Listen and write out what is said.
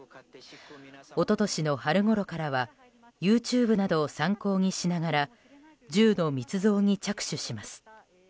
おととしの春ごろからはＹｏｕＴｕｂｅなどを参考にしながら銃の密造に着手します。